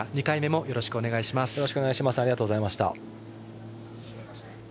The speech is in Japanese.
２回目もよろしくお願いします。